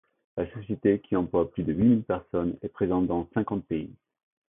La société, qui emploie plus de huit mille personnes, est présente dans cinquante pays.